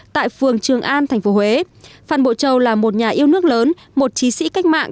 tại phường trường an thành phố huế phan bộ châu là một nhà yêu nước lớn một chí sĩ cách mạng